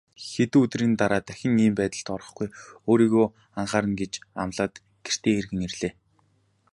Хэдэн өдрийн дараа дахин ийм байдалд орохгүй, өөрийгөө анхаарна гэж амлаад гэртээ эргэн ирлээ.